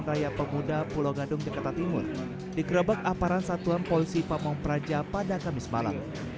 karya pemuda pulau gadung jekatatimun dikerobak aparan satuan polisi pamung praja pada kamis malam